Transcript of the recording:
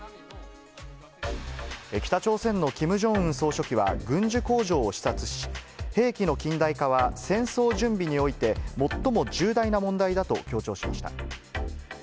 北朝鮮のキム・ジョンウン総書記は軍需工場を視察し、兵器の近代化は、戦争準備において最も重大な問題だと強調しました。